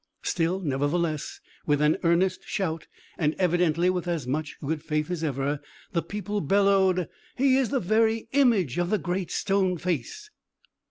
Still, nevertheless, with an earnest shout, and evidently with as much good faith as ever, the people bellowed: "He is the very image of the Great Stone Face!"